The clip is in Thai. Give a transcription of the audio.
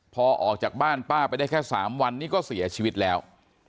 พอออกจากบ้านป้าไปได้แค่๓วันนี้ก็เสียชีวิตแล้ว